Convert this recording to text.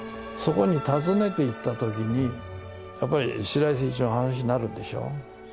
そこに訪ねていった時にやっぱり白井晟一の話になるでしょ。